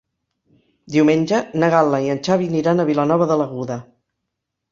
Diumenge na Gal·la i en Xavi aniran a Vilanova de l'Aguda.